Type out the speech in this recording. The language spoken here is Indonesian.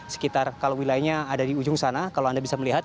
sekitar kalau wilayahnya ada di ujung sana kalau anda bisa melihat